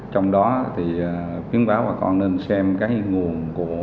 trong đó thì khuyến báo bà con nên xem các nguồn của